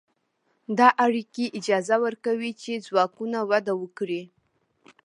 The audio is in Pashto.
دا اړیکې اجازه ورکوي چې ځواکونه وده وکړي.